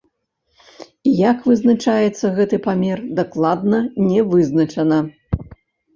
І як вызначаецца гэты памер, дакладна не вызначана.